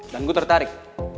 dan gue tertarik